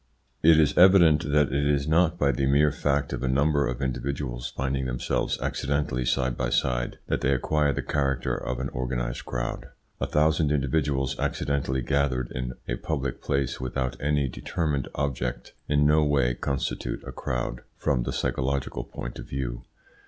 It is evident that it is not by the mere fact of a number of individuals finding themselves accidentally side by side that they acquire the character of an organised crowd. A thousand individuals accidentally gathered in a public place without any determined object in no way constitute a crowd from the psychological point of view.